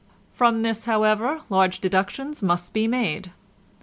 From this, however, large deductions must be made.